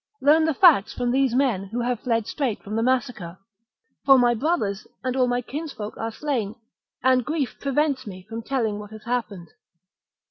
Learn the facts from these men, who have fled straight from the massacre ; for my brothers and all my kinsfolk are slain, and grief prevents me from telling what has happened."